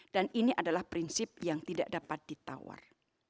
dan ini adalah prinsip yang tidak dapat ditawar